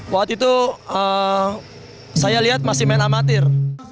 waktu itu saya lihat masih main amatir